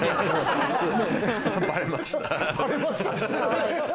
バレました？